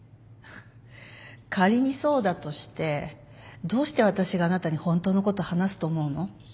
仮にそうだとしてどうして私があなたにホントのこと話すと思うの？